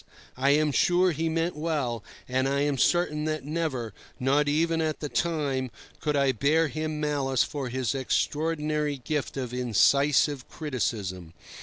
I am sure he meant well, and I am certain that never, not even at the time, could I bear him malice for his extraordinary gift of incisive criticism.